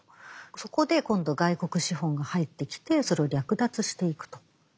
そこで今度外国資本が入ってきてそれを略奪していくと。